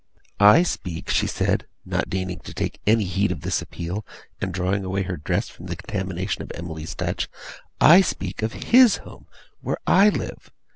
'I speak,' she said, not deigning to take any heed of this appeal, and drawing away her dress from the contamination of Emily's touch, 'I speak of HIS home where I live.